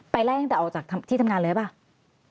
ไล่ตั้งแต่ออกจากที่ทำงานเลยหรือเปล่า